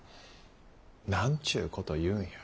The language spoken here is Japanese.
なんちゅうことを言うんや。